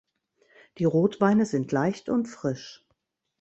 Die Rotweine sind leicht und frisch.